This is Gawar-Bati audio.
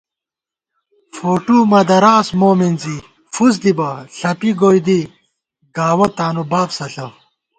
فوٹو مہ دراس مو مِنزی ، فُس دِبہ ، ݪَپی گوئےدی ، گاوَہ تانُو بابسہ ݪہ